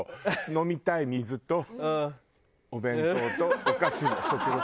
飲みたい水とお弁当とお菓子も食後。